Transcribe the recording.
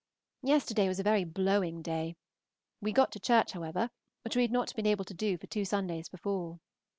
Yesterday was a very blowing day; we got to church, however, which we had not been able to do for two Sundays before.